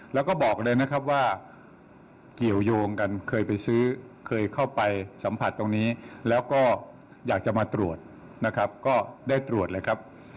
แล้วก็บอกเลยนะครับว่าเกี่ยวยงกันเคยไปซื้อเคยเข้าไปสัมผัสตรงนี้แล้วก็อยากจะมาตรวจนะครับก็ได้ตรวจเลยครับ